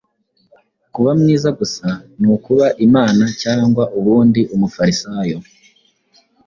Kuba mwiza gusa, ni ukuba Imana cyangwa ubundi Umufarisayo.